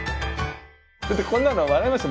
こんなの笑いますよ